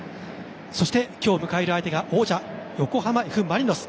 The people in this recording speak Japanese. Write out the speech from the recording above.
そして今日迎える相手が王者、横浜Ｆ・マリノス。